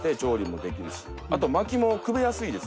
あと薪もくべやすいですよね。